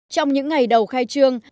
trong những ngày đầu khai trương